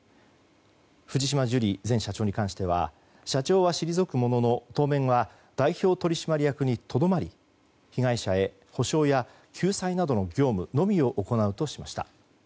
藤島ジュリー前社長に関しては社長は退くものの当面は代表取締役にとどまり被害者に補償や救済などの業務のみを行うとしました。